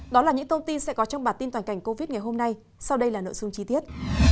đó là những thông tin sẽ có trong bản tin toàn cảnh covid ngày hôm nay sau đây là nội dung chi tiết